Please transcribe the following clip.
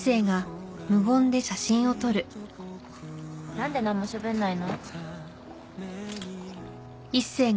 なんでなんもしゃべんないの？